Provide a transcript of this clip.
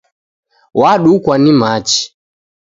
Wadukwa ni machi